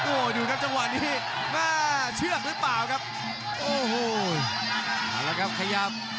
โอ้โหเอาละครับขยับ